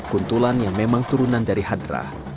kuntulan yang memang turunan dari hadrah